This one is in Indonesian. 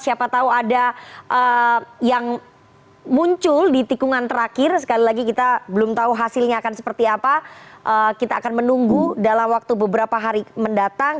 siapa tahu ada yang muncul di tikungan terakhir sekali lagi kita belum tahu hasilnya akan seperti apa kita akan menunggu dalam waktu beberapa hari mendatang